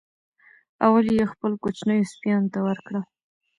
اول یې خپلو کوچنیو سپیانو ته ورکړه.